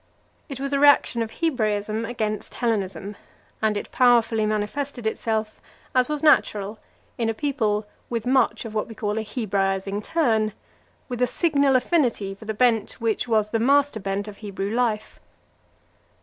It was a reaction of Hebraism against Hellenism; and it powerfully manifested itself, as was natural, in a people with much of what we call a Hebraising turn, with a signal affinity for the bent which was the master bent of Hebrew life.